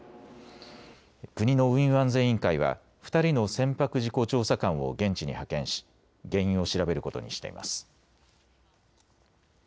国の運輸安全委員会は２人の船舶事故調査官を現地に派遣し原因を調べることにしています。